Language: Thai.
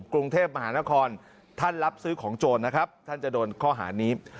กรุงเทพมหานครท่านรับซื้อของโจรนะครับท่านจะโดนข้อหานี้